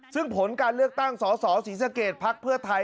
ซึ่งผลการเลือกตั้งสสศรีสะเกดพักเพื่อไทย